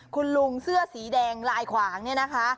คุณลุงเสื้อสีแดงลายขวางเนี่ยนะคะ